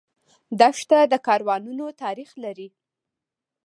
دښته د کاروانونو تاریخ لري.